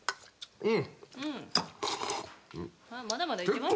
うん。